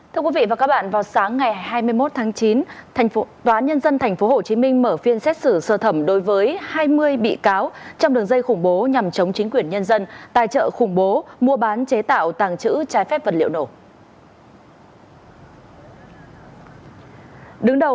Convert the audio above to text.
thưa quý vị và các bạn vào sáng ngày hai mươi một tháng chín tòa nhân dân tp hcm mở phiên xét xử sơ thẩm đối với hai mươi bị cáo trong đường dây khủng bố nhằm chống chính quyền nhân dân tài trợ khủng bố mua bán chế tạo tàng trữ trái phép vật liệu nổ